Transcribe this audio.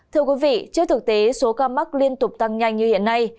thưa quý vị trước thực tế số ca mắc liên tục tăng nhanh như hiện nay